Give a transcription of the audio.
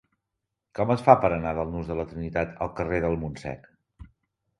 Com es fa per anar del nus de la Trinitat al carrer del Montsec?